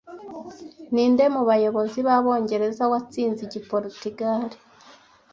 Ninde mu bayobozi b'Abongereza watsinze Igiporutugali